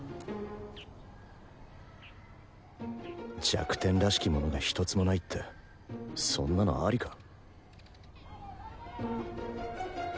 弱点らしきものがひとつもないってそんなのアリか？